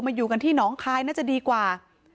อยู่กันที่หนองคายน่าจะดีกว่า